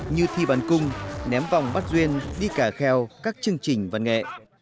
như thi bàn cung ném vòng bắt duyên đi cả kheo các chương trình văn nghệ